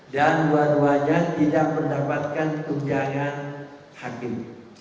dan dua duanya tidak mendapatkan tunjangan hakim